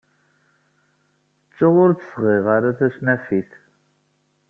Ttuɣ ur d-sɣiɣ ara tacnafit.